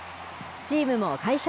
チームも快勝。